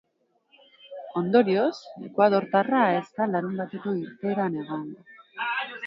Ondorioz, ekuadortarra ez da larunbateko irteeran egongo.